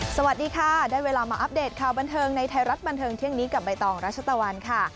สวัสดีค่ะได้เวลามาอัปเดตข่าวบันเทิงในไทยรัฐบันเทิงเที่ยงนี้กับใบตองรัชตะวันค่ะ